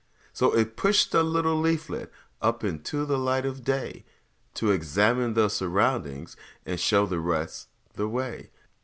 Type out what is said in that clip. So it pushed a little leaflet Up into the light of day, To examine the surroundings And show the rest the way.